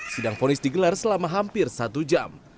sidang fonis digelar selama hampir satu jam